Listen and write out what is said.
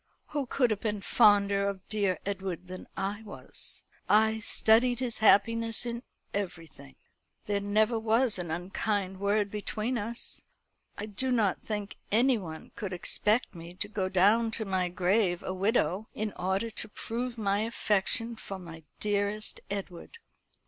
Who could have been fonder of dear Edward than I was? I studied his happiness in everything. There never was an unkind word between us. I do not think anyone could expect me to go down to my grave a widow, in order to prove my affection for my dearest Edward.